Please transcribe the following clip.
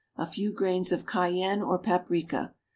A few grains of cayenne or paprica.